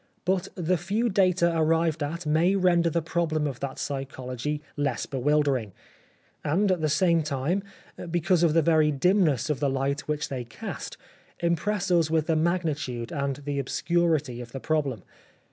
But the few data arrived at may render the problem of that psychology less bewildering, and at the same time, because of F 81 The Life of Oscar Wilde the very dimness of the Ught which they cast, impress us mth the magnitude and the obscurity of the problem.